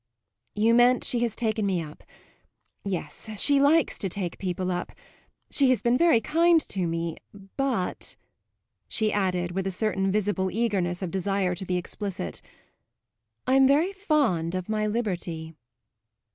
"You meant she has taken me up. Yes; she likes to take people up. She has been very kind to me; but," she added with a certain visible eagerness of desire to be explicit, "I'm very fond of my liberty."